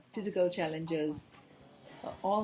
bahasa tantangan fisik